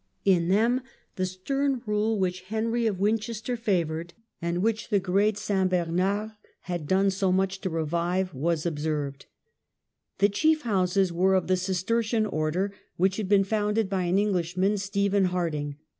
In them the stern rule which Henry of Winchester favoured, and which the great S. Bernard had done so much to revive, was observed. The chief houses were of the Cistercian order, which had been founded by an Englishman, Stephen Harding.